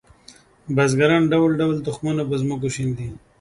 بزګران ډول ډول تخمونه په ځمکو شیندي